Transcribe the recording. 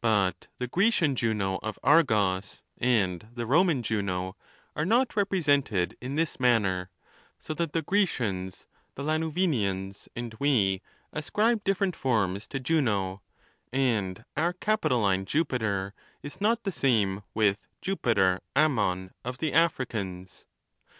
But the Grecian Juno of Argos and the Roman Ju]io are not represented in this manner; so that the Gre cians, the Lanuvinians, and we, ascribe different forms to Juno ; and our Gapitoline Jupiter is not the same with till' Jupiter Ammon of the Africans.